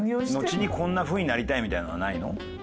のちにこんな風になりたいみたいなのはないの？